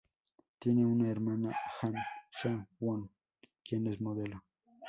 Tiene una hermana Han Seong-won, quien es modelo.